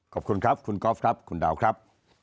ขอบคุณครับคุณกอล์ฟครับคุณดาวครับ